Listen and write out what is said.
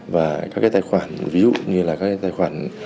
và các cái tài khoản ví dụ như là các tài khoản